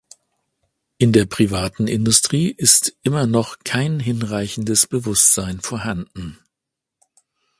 In der privaten Industrie ist immer noch kein hinreichendes Bewusstsein vorhanden.